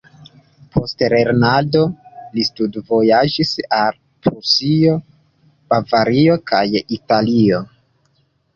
Post lernado li studvojaĝis al Prusio, Bavario kaj Italio.